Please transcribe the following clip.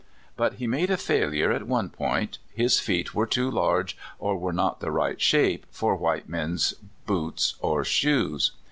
But he made a failure at one point: his feet were too large, or were not the right shape, for white men's boots or shoes.